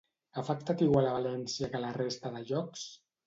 Ha afectat igual a València que a la resta de llocs?